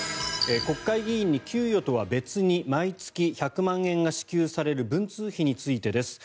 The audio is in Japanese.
国会議員に給与とは別に毎月１００万円が支給される文通費についてです。